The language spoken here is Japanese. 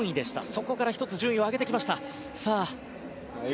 そこから１つ順位を上げてきました。